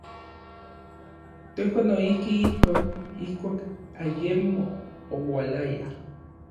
Tejuan noijki ijkon, ijkuak ayemo oualaya.